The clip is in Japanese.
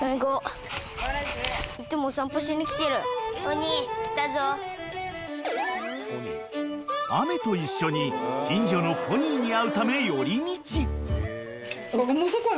［翠雨と一緒に近所のポニーに会うため寄り道］